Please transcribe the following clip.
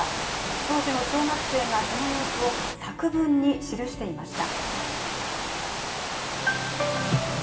当時の小学生がその様子を作文に記していました。